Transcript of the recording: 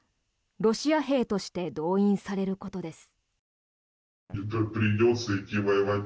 ロシア兵として動員されることです。